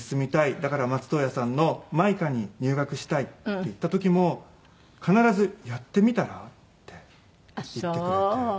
「だから松任谷さんのマイカに入学したい」って言った時も必ず「やってみたら」って言ってくれて。